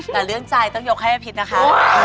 แต่เรื่องใจต้องยกให้อพิษนะคะ